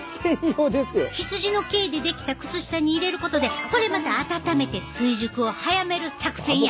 羊の毛で出来た靴下に入れることでこれまた温めて追熟を早める作戦や。